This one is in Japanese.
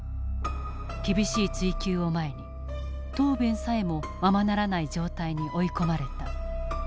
厳しい追及を前に答弁さえもままならない状態に追い込まれた。